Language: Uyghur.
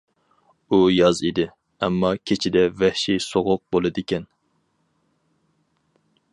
ئۇ ياز ئىدى، ئەمما كېچىدە ۋەھشىي سوغۇق بولىدىكەن.